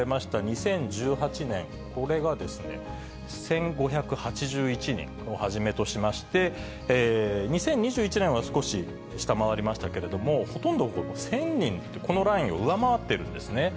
２０１８年、これが１５８１人をはじめとしまして、２０２１年は少し下回りましたけれども、ほとんど、１０００人、このラインを上回っているんですね。